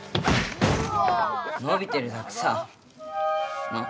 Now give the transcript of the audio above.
のびてるだけさなっ